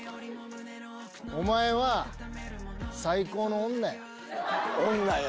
お前は最高の女や。